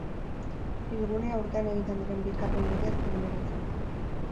Bilgunea urtean egiten diren bi kargen bidez eguneratzen da.